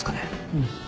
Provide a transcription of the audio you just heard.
うん。